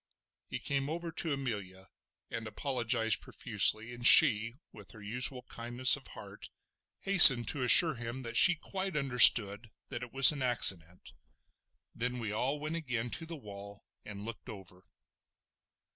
He came over to Amelia and apologised profusely, and she with her usual kindness of heart hastened to assure him that she quite understood that it was an accident. Then we all went again to the wall and looked over.